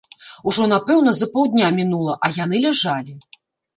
Ужо напэўна за паўдня мінула, а яны ляжалі.